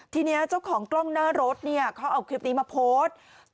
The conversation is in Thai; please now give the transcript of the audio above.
ทีนี้เจ้าของกล้องหน้ารถเนี่ยเขาเอาคลิปนี้มาโพสต์